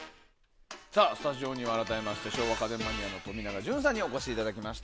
スタジオには、改めまして昭和家電マニアの冨永潤さんにお越しいただきました。